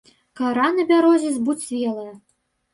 Кара на бярозе збуцвелая.